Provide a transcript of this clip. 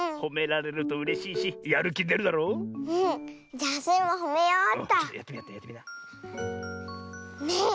じゃあスイもほめようっと。